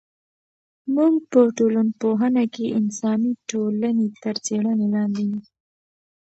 موږ په ټولنپوهنه کې انساني ټولنې تر څېړنې لاندې نیسو.